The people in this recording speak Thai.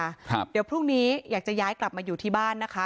ครับเดี๋ยวพรุ่งนี้อยากจะย้ายกลับมาอยู่ที่บ้านนะคะ